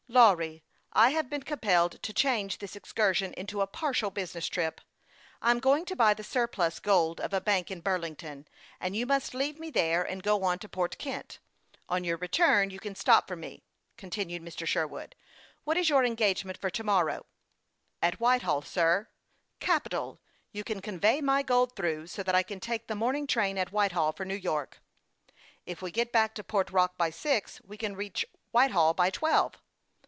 " Lawry, I have been compelled to change this excursion into a partial business trip. I am going to buy the surplus gold of a bank in Burlington, and you must leave me there and go on to Port Kent. On your return, you can stop for me," continued Mr. Sherwood. " What is your engagement for to morrow." "At Whitehall, sir." " Capital ! You can convey my gold through, so that I can take the morning train at Whitehall for New York." " If we get back to Port Rock by six, we can reach Whitehall by twelve."